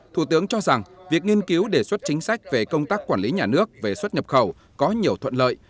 thủ tướng cho rằng việc nghiên cứu đề xuất chính sách về công tác quản lý nhà nước về xuất nhập khẩu có nhiều thuận lợi